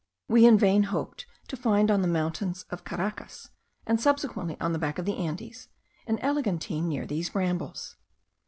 We in vain hoped to find on the mountains of Caracas, and subsequently on the back of the Andes, an eglantine near these brambles.